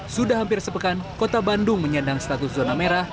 sudah hampir sepekan kota bandung menyendang status zona merah